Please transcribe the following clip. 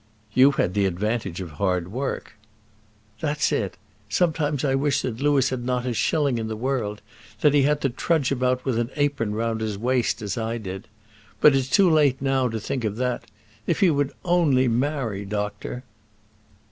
"You had the advantage of hard work." "That's it. Sometimes I wish that Louis had not a shilling in the world; that he had to trudge about with an apron round his waist as I did. But it's too late now to think of that. If he would only marry, doctor."